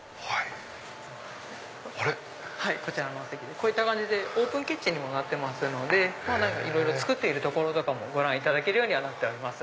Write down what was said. こういった感じでオープンキッチンにもなってますのでいろいろ作っているところとかもご覧いただけるようになってます。